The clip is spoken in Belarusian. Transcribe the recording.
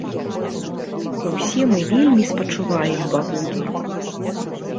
Усе мы вельмі спачуваем бабулі.